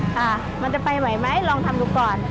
ค่ะมันจะไปไหมลองทำอยู่ก่อน